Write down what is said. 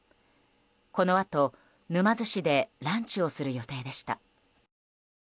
このあと、沼津市でランチをする予定でした。